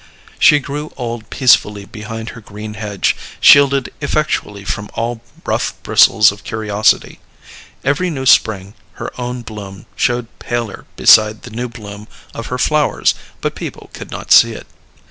She grew old peacefully behind her green hedge, shielded effectually from all rough bristles of curiosity. Every new spring her own bloom showed paler beside the new bloom of her flowers, but people could not see it.